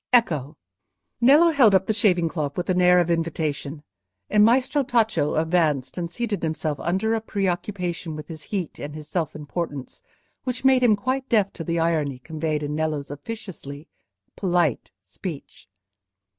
Ecco!" Nello held up the shaving cloth with an air of invitation, and Maestro Tacco advanced and seated himself under a preoccupation with his heat and his self importance, which made him quite deaf to the irony conveyed in Nello's officiously polite speech.